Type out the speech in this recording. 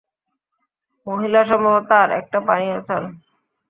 মহিলা সম্ভবত আর একটা পানীয় চান।